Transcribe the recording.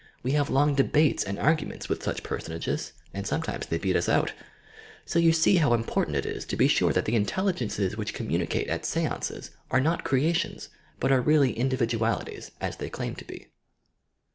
We have long debates and arguments with such personages, and sometimes they beat us out! So yoa see how important it is to be sure that the Intelligences which communicate at seances are not creations, but are really individualities, as they claim to be.